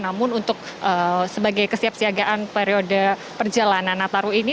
namun untuk sebagai kesiap siagaan periode perjalanan nataru ini